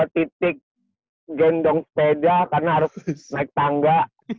titik gendong sepeda karena harus naik tangga